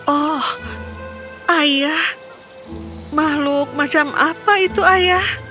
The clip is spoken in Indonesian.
oh ayah makhluk macam apa itu ayah